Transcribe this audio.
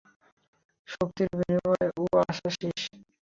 শক্তির বিনিময়ে উ আসাসিস।